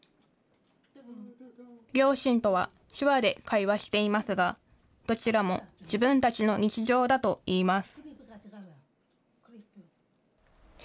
両親とは手話で会話していますが、どちらも自分たちの日常だといいます。